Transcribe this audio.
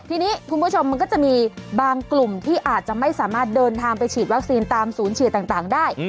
ทีนี้คุณผู้ชมมันก็จะมีบางกลุ่มที่อาจจะไม่สามารถเดินทางไปฉีดวัคซีนตามศูนย์ฉีดต่างได้